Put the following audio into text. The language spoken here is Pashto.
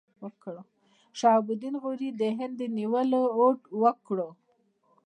شهاب الدین غوري د هند د نیولو هوډ وکړ.